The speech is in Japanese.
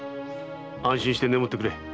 安心して眠ってくれ。